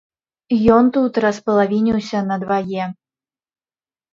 Ён тут распалавініўся надвае.